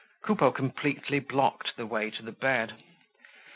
Coupeau completely blocked the way to the bed.